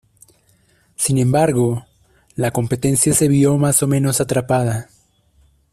Sin embargo, la competencia se vio más o menos atrapada.